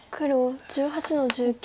黒１８の十九。